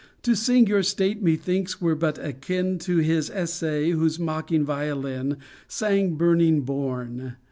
To sing your state, methinks, were bat akin To his essay whose mocking violin Sang burning Borne.